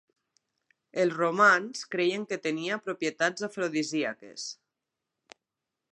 Els romans creien que tenia propietats afrodisíaques.